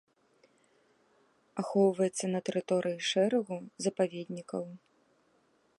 Ахоўваецца на тэрыторыі шэрагу запаведнікаў.